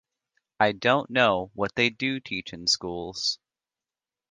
I don’t know what they do teach in schools.